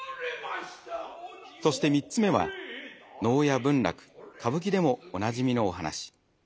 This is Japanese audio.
そして３つ目は能や文楽歌舞伎でもおなじみのお話。